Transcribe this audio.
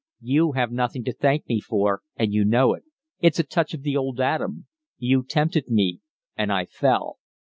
"You have nothing to thank me for, and you know it. It's a touch of the old Adam. You tempted me, and I fell."